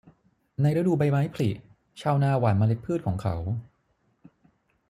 ในฤดูใบไม้ผลิ ชาวนาหว่านเมล็ดพืชของเขา